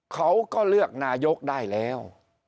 เขาก็เลือกนายกได้แล้ว